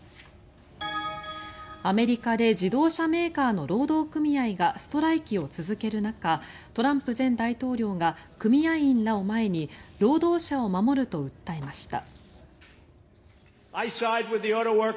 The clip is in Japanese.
アメリカで自動車メーカーの労働組合がストライキを続ける中トランプ前大統領が組合員らを前に労働者を守ると訴えました。